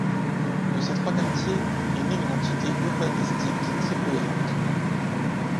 De ces trois quartiers, est née une entité urbanistique très cohérente.